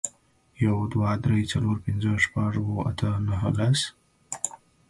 Diamond was a wealthy man of mystery.